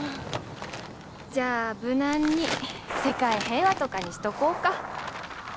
じゃあ無難に世界平和とかにしとこうか。